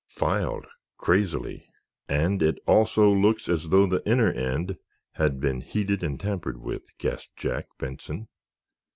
"Filed, crazily, and it also looks as though the inner end had been heated and tampered with," gasped Jack Benson.